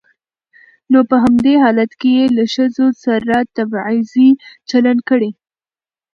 نو په همدې حالت کې يې له ښځو سره تبعيضي چلن کړى.